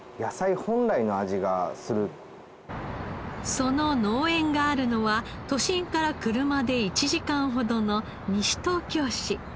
その農園があるのは都心から車で１時間ほどの西東京市。